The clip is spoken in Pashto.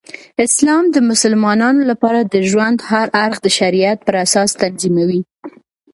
اسلام د مسلمانانو لپاره د ژوند هر اړخ د شریعت پراساس تنظیموي.